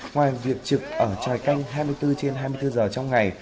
ngoài việc trực ở tròi canh hai mươi bốn trên hai mươi bốn giờ trong ngày